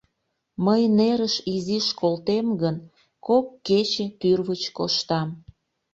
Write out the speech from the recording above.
Мый нерыш изиш колтем гын, кок кече тӱрвыч коштам.